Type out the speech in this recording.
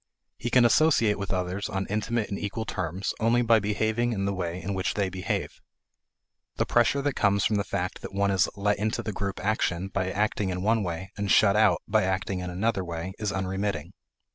He can associate with others on intimate and equal terms only by behaving in the way in which they behave. The pressure that comes from the fact that one is let into the group action by acting in one way and shut out by acting in another way is unremitting.